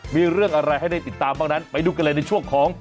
มีเรื่องอะไรให้ได้ติดตามบ้างนั้นไปดูกันเลยในช่วงของ